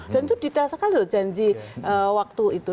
dan itu detail sekali loh janji waktu itu